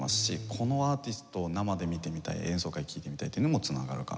このアーティストを生で見てみたい演奏会を聴いてみたいっていうのにも繋がるかなと。